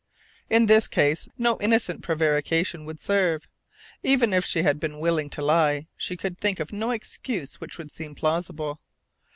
In this case no innocent prevarication would serve. Even if she had been willing to lie, she could think of no excuse which would seem plausible.